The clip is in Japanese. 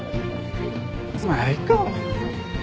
まあいいか。